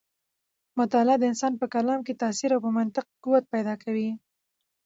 مطالعه د انسان په کلام کې تاثیر او په منطق کې قوت پیدا کوي.